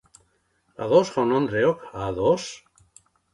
Ados jaun-andreok ados!